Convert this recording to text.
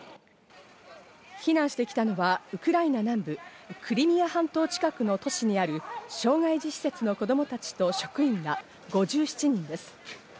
避難してきたのはウクライナ南部、クリミア半島近くの都市にある障害児施設の子供たちと職員ら５７人です。